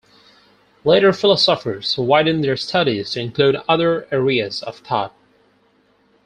Later philosophers widened their studies to include other areas of thought.